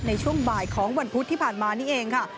ในช่วงบ่ายของวันพุธที่ผ่านมานี่เองค่ะ